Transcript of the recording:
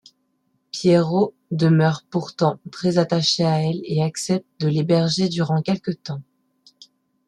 Piero demeure pourtant très attaché à elle et accepte de l'héberger durant quelque temps...